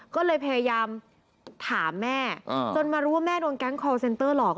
ก็เลยพยายามถามแม่จนมารู้ว่าแม่โดนแก๊งคอลเซนเตอร์หลอก